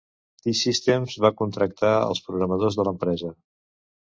T-Systems va contractar els programadors de l'empresa.